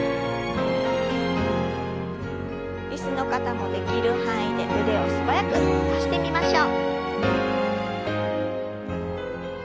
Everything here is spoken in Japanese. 椅子の方もできる範囲で腕を素早く伸ばしてみましょう。